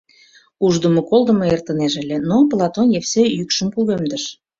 Уждымо-колдымо эртынеже ыле, но Платон Евсей йӱкшым кугемдыш: